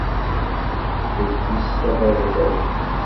D lfista tajdidt?